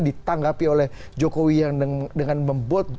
ditanggapi oleh jokowi yang dengan membuat